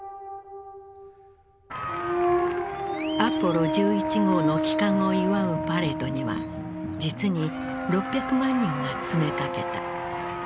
アポロ１１号の帰還を祝うパレードには実に６００万人が詰めかけた。